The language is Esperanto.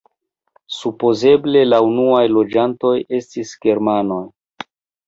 Supozeble la unuaj loĝantoj estis germanoj.